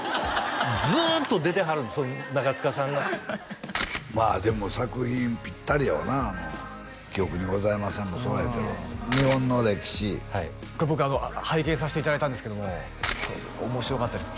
ずーっと出てはるんですその長塚さんがまあでも作品ピッタリやわな「記憶にございません！」もそうやけど「日本の歴史」これ僕拝見させていただいたんですけども面白かったです